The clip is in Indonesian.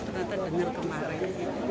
ternyata dengar kemarin